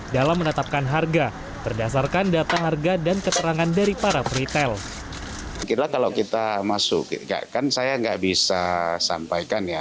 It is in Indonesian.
dalam menetapkan harga berdasarkan data harga dan keterangan dari para peritel